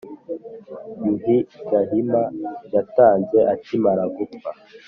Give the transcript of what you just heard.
yuhi gahima yatanze akimara gupfa